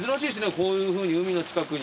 こういうふうに海の近くに。